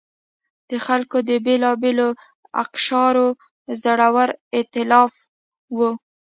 د خلکو د بېلابېلو اقشارو زړور اېتلاف و.